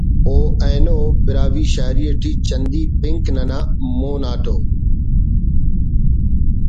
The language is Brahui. و اینو براہوئی شاعری ٹی چندی پنک ننا مون آٹو